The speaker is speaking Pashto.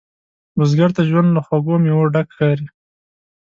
بزګر ته ژوند له خوږو میوو ډک ښکاري